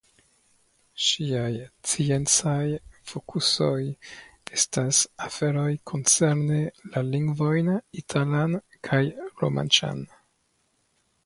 Ŝiaj sciencaj fokusoj estas aferoj koncerne la lingvojn italan kaj romanĉan.